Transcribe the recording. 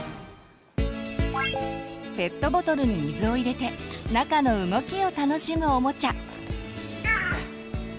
ペットボトルに水を入れて中の動きを楽しむおもちゃ。